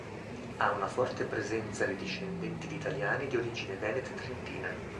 Ha una forte presenza di discendenti di italiani di origine veneta e trentina.